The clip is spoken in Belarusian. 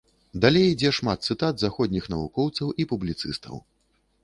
Далей ідзе шмат цытат заходніх навукоўцаў і публіцыстаў.